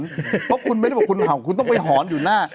เพราะคุณไม่ได้บอกคุณเห่าคุณต้องไปหอนอยู่หน้า